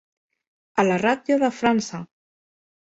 A la ratlla de França.